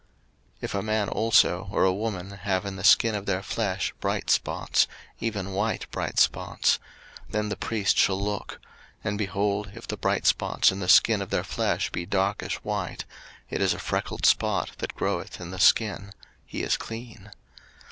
03:013:038 If a man also or a woman have in the skin of their flesh bright spots, even white bright spots; 03:013:039 Then the priest shall look: and, behold, if the bright spots in the skin of their flesh be darkish white; it is a freckled spot that groweth in the skin; he is clean.